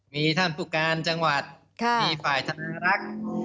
มีท่านผู้การจังหวัดมีฝ่ายธนารักษ์